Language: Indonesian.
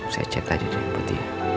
saya cek tadi deh